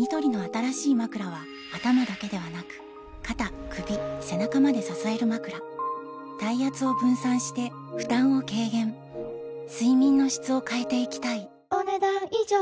ニトリの新しいまくらは頭だけではなく肩・首・背中まで支えるまくら体圧を分散して負担を軽減睡眠の質を変えていきたいお、ねだん以上。